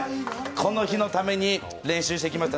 この日のために練習してきました。